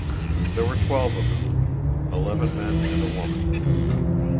There were twelve of them, eleven men and a woman.